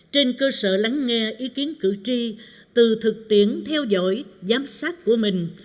trên cơ sở lắng nghe ý kiến cử tri từ thực tiễn theo dõi giám sát của mình